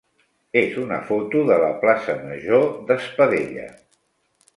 és una foto de la plaça major d'Espadella.